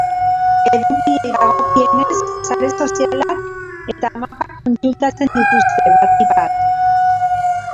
Edukiei dagokienez, sare sozialak eta mapak kontsultatzen dituzte, batik bat.